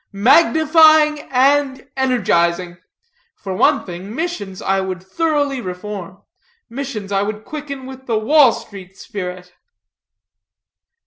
"Magnifying and energizing. For one thing, missions I would thoroughly reform. Missions I would quicken with the Wall street spirit."